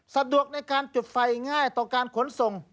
สะดวกในการจุดไฟง่ายต่อการขนส่ง